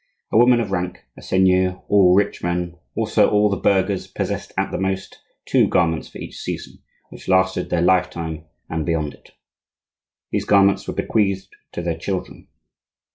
A woman of rank, a seigneur, all rich men, also all the burghers, possessed at the most two garments for each season, which lasted their lifetime and beyond it. These garments were bequeathed to their children.